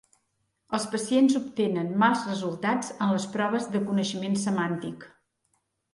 Els pacients obtenen mals resultats en les proves de coneixement semàntic.